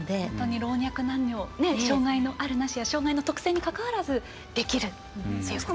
老若男女障がいのあるなしや障がいの特性に関わらずできるっていうことですね。